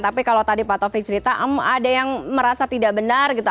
tapi kalau tadi pak taufik cerita ada yang merasa tidak benar gitu